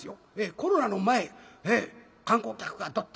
コロナの前観光客がドッと。